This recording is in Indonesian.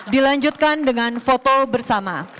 dilanjutkan dengan foto bersama